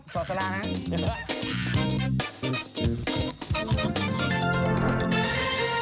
สวัสดีครับสวัสดีครับสวัสดีครับ